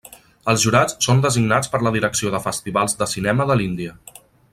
Els jurats són designats per la Direcció de Festivals de Cinema de l'Índia.